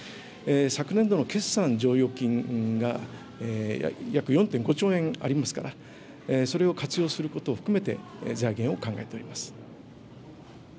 昨年度の決算剰余金が約４．５兆円ありますから、それを活用することを含めて、財源を考えております。